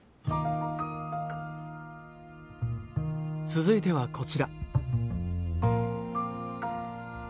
続いてはこちら。